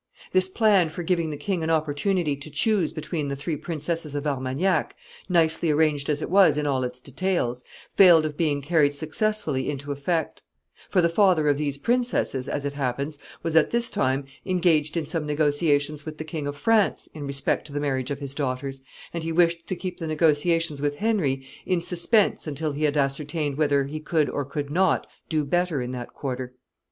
[Sidenote: The plan fails.] This plan for giving the king an opportunity to choose between the three princesses of Armagnac, nicely arranged as it was in all its details, failed of being carried successfully into effect; for the father of these princesses, as it happened, was at this same time engaged in some negotiations with the King of France in respect to the marriage of his daughters, and he wished to keep the negotiations with Henry in suspense until he had ascertained whether he could or could not do better in that quarter.